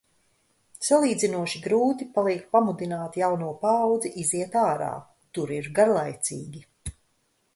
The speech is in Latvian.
Salīdzinoši grūti paliek pamudināt jauno paaudzi iziet ārā. Tur ir garlaicīgi.